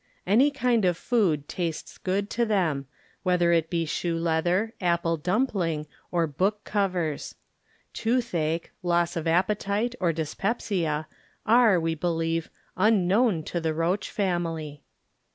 Any kind of food tastes good to them, whether it be shoe leather, apple dumpling, or book covers. Toothache, loss of appetite, or dyspepsia are, we be lieve, unknown to the roach family.